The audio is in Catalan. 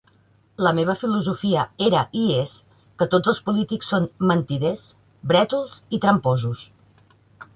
La meva filosofia era i és que "tots els polítics són mentiders, brètols i tramposos".